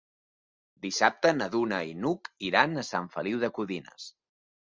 Dissabte na Duna i n'Hug iran a Sant Feliu de Codines.